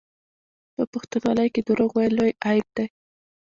په پښتونولۍ کې دروغ ویل لوی عیب دی.